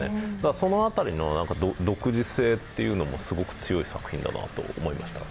その辺りの独自性というのもすごく強い作品だなと思いました。